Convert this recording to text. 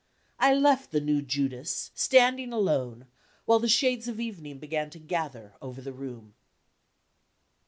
I left the new Judas, standing alone, while the shades of evening began to gather over the room.